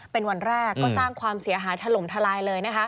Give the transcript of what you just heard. เป็นวันแรกก็สร้างความเสียหายถล่มทลายเลย